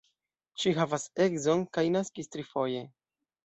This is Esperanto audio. Ŝi havas edzon kaj naskis trifoje.